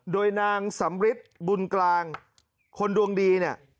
โดยนางสำริทบุญกลางคนดวงดีเนี่ย